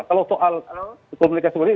kalau soal komunikasi berikutnya